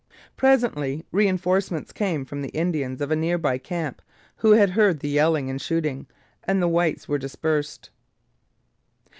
Presently reinforcements came from the Indians of a nearby camp who had heard the yelling and shooting; and the whites were dispersed.